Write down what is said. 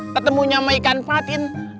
ketemu sama ikan patin